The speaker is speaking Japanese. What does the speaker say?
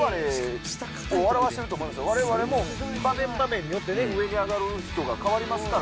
われわれも場面場面によってね、上に上がる人が変わりますから。